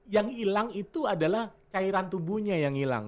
yang hilang itu adalah cairan tubuhnya yang hilang